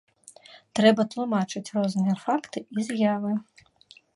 Трэба тлумачыць розныя факты і з'явы.